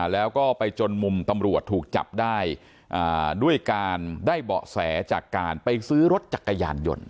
แล้วก็ไปจนมุมตำรวจถูกจับได้ด้วยการได้เบาะแสจากการไปซื้อรถจักรยานยนต์